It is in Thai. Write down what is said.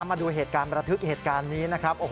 มาดูเหตุการณ์ประทึกเหตุการณ์นี้นะครับ